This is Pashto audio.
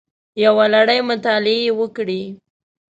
یوه لړۍ مطالعې یې وکړې